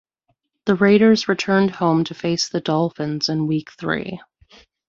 The Raiders returned home to face the Dolphins in Week Three.